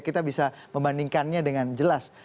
kita bisa membandingkannya dengan jelas